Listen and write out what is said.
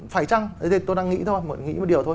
phải chăng tôi đang nghĩ thôi mình nghĩ một điều thôi